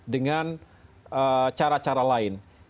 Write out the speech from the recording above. dengan cara cara lain